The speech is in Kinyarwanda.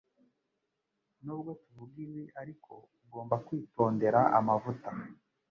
N'ubwo tuvuga ibi ariko ugomba kwitondera amavuta